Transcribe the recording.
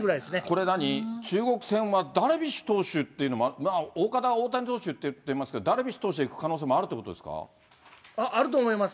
これ、何、中国戦はダルビッシュ投手っていうのも、大方は大谷投手って言ってますけども、ダルビッシュ投手でいく可能性もああると思います。